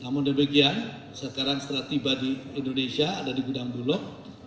namun demikian sekarang setelah tiba di indonesia ada di gudang bulog